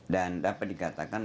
dan dapat dikatakan